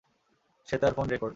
শ্বেতার phone record.